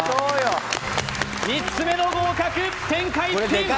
３つ目の合格天下一品